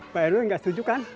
pak rw gak setuju kan